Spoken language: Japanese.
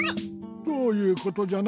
どういうことじゃな？